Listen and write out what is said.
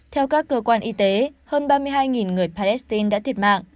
theo các cơ quan y tế hơn ba mươi hai người palestine đã thiệt mạng